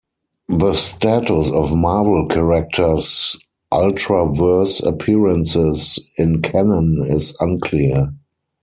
The status of Marvel characters' Ultraverse appearances in canon is unclear.